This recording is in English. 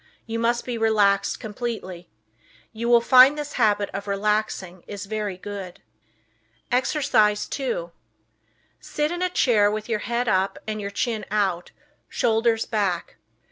You must be relaxed completely. You will find this habit of relaxing is very good. Exercise 2 Sit in a chair with your head up and your chin out, shoulders back.